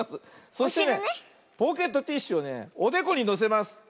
そしてねポケットティッシュをねおでこにのせます。